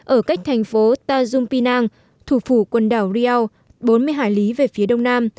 ở cách thành phố tajumpinang thủ phủ quần đảo riau bốn mươi hải lý về phía đông nam